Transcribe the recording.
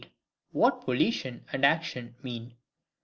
What Volition and action mean.